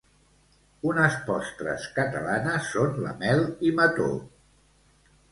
Unes postres catalanes són la mel i mató